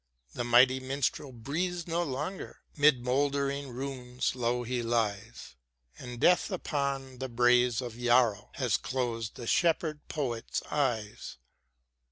The mighty Minstrel breathes no longer, 'Mid mouldering ruins low he lies ; And death upon the braes of Yarrow Has closed the Shepherd poet's eyes.